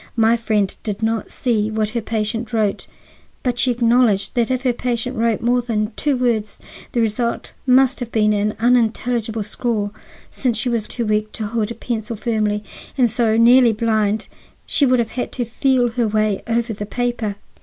My friend did not see what her patient wrote, but she acknowledged that if her patient wrote more than two words the result must have been an unintelligible scrawl, since she was too weak to hold a pencil firmly, and so nearly blind that she would have had to feel her way over the paper."